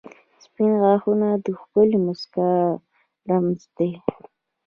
• سپین غاښونه د ښکلې مسکا رمز دی.